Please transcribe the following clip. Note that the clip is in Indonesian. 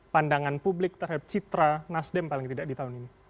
pandangan publik terhadap citra nasdem paling tidak di tahun ini